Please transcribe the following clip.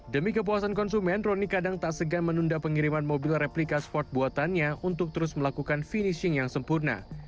demi kepuasan konsumen rony kadang tak segan menunda pengiriman mobil replika sport buatannya untuk terus melakukan finishing yang sempurna